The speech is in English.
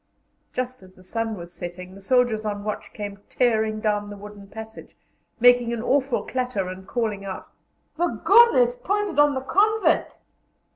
Just as the sun was setting, the soldiers on watch came tearing down the wooden passage, making an awful clatter, and calling out: "The gun is pointed on the convent!"